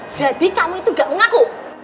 jadi kamu itu gak mengaku